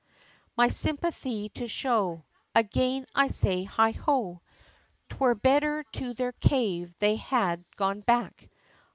My sympathy to show, Again I say heigho! 'Twere better to their cave they had gone back.